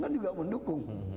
kan juga mendukung